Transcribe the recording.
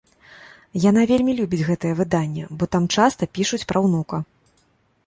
Яна вельмі любіць гэтае выданне, бо там часта пішуць пра ўнука.